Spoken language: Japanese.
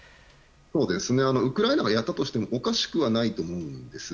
ウクライナがやったとしてもおかしくはないと思うんです。